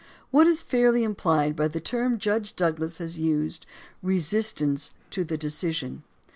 What is fairly implied by the term Judge Douglas has used: "Resistance to the decision"